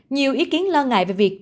nhiều ý kiến lo ngại về việc